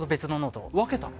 分けたの？